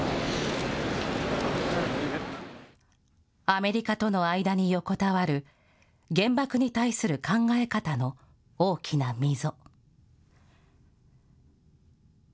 アメリカとの間に横たわる原爆に対する考え方の大きな溝。